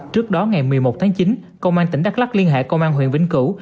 trước đó ngày một mươi một tháng chín công an tỉnh đắk lắc liên hệ công an huyện vĩnh cửu